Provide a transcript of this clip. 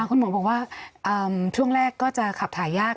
คุณหมอบอกว่าช่วงแรกก็จะขับถ่ายยาก